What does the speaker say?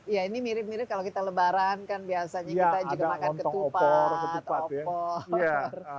ya ini mirip mirip kalau kita lebaran kan biasanya kita juga makan ketupat opor